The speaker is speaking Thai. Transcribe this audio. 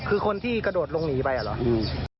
คือคนที่กระโดดลงหนีไปอ่ะเหรออืม